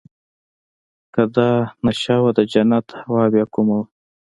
که دا نېشه وه د جنت هوا بيا کومه وه.